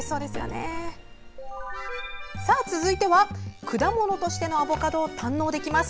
さあ、続いては果物としてのアボカドを堪能できます。